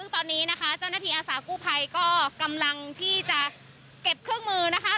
ซึ่งตอนนี้นะคะเจ้าหน้าที่อาสากู้ภัยก็กำลังที่จะเก็บเครื่องมือนะคะ